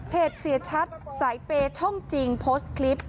เสียชัดสายเปย์ช่องจริงโพสต์คลิป